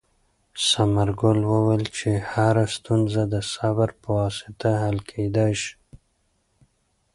ثمرګل وویل چې هره ستونزه د صبر په واسطه حل کېدلای شي.